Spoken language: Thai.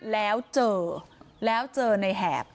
แล้วเจอแล้วเจอในแหบ